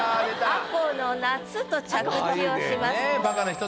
「吾子の夏」と着地をします。